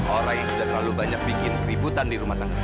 orang yang sudah terlalu banyak bikin keributan di rumah tangga